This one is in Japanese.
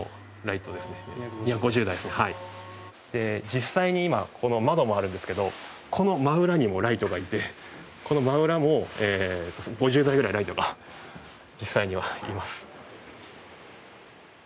実際に今この窓もあるんですけどこの真裏にもライトがあってこの真裏も５０台ぐらいライトが実際にはあります。